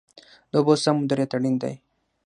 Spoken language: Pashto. د اوبو سم مدیریت اړین دی